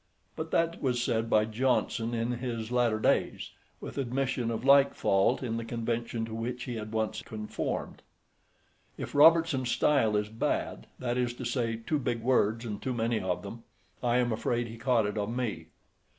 But that was said by Johnson in his latter days, with admission of like fault in the convention to which he had once conformed: "If Robertson's style is bad, that is to say, too big words and too many of them, I am afraid he caught it of me."